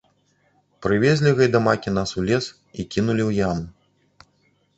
Прывезлі гайдамакі нас у лес і кінулі ў яму.